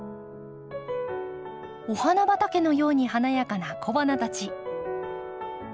お花畑のように華やかな小花たち。